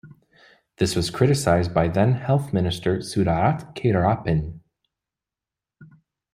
This was criticized by then Health Minister Sudarat Keyuraphan.